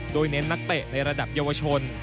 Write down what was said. โดยเน้นนักเตะในระดับเยาวชน